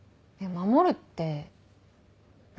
「守るって何？」